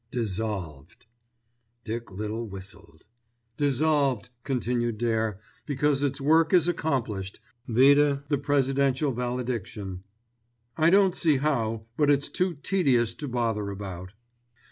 "Dissolved." Dick Little whistled. "Dissolved," continued Dare, "because its work is accomplished, vide the Presidential valediction. I don't see how; but it's too tedious to bother about."